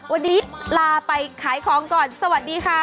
วันนี้ลาไปขายของก่อนสวัสดีค่ะ